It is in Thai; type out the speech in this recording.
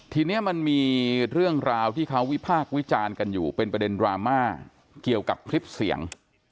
ทีนี้มันมีเรื่องราวที่เขาวิพากษ์วิจารณ์กันอยู่เป็นประเด็นดราม่าเกี่ยวกับคลิปเสียง